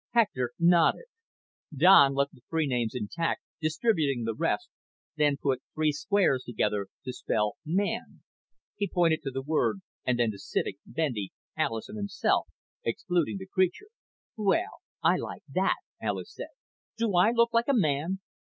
Hector nodded. Don left the three names intact, distributing the rest, then put three squares together to spell Man. He pointed to the word and then to Civek, Bendy, Alis and himself, excluding the creature. "Well, I like that!" Alis said. "Do I look like a man?"